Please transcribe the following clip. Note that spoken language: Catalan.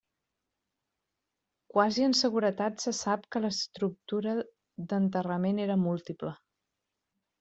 Quasi en seguretat se sap que l'estructura d'enterrament era múltiple.